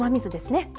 酢ですね。